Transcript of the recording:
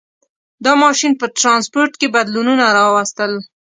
• دا ماشین په ټرانسپورټ کې بدلونونه راوستل.